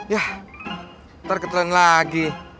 yah ntar keturunan lagi